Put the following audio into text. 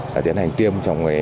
và tiến hành tiêm trong